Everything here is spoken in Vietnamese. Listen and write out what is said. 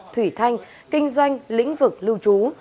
thủy thanh kinh doanh lĩnh vực lưu trú